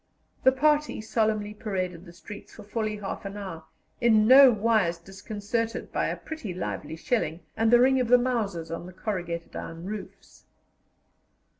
The party solemnly paraded the streets for fully half an hour, in no wise disconcerted by a pretty lively shelling and the ring of the Mausers on the corrugated iron roofs.